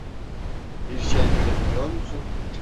Bir şey görebiliyor musun?